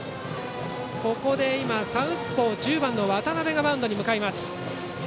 ここでサウスポー１０番の渡部がマウンドに向かいます。